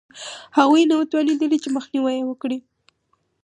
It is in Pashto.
غوی نه وو توانېدلي چې مخنیوی یې وکړي